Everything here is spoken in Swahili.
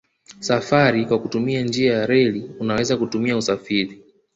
Safari kwa kutumia njia ya reli unaweza kutumia usafiri